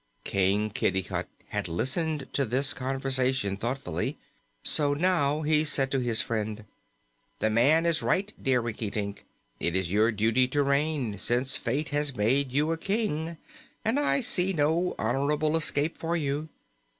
King Kitticut had listened to this conversation thoughtfully, so now he said to his friend: "The man is right, dear Rinkitink. It is your duty to reign, since fate has made you a King, and I see no honorable escape for you.